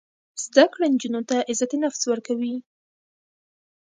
زده کړه نجونو ته د عزت نفس ورکوي.